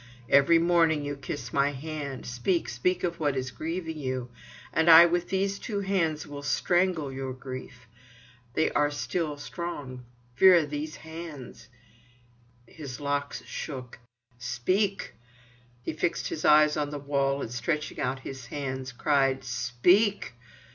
Every morning you kiss my hand. Speak, speak of what is grieving you—and I with these two hands will strangle your grief. They are still strong, Vera, these hands." His locks shook. "Speak!" He fixed his eyes on the wall, and stretching out his hands, cried: "Speak!"